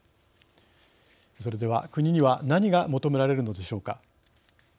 それでは国には何が求められるのでしょうか。